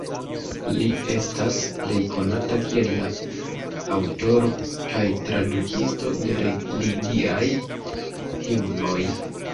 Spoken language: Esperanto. Li estas plej konata kiel la aŭtoro kaj tradukisto de religiaj himnoj.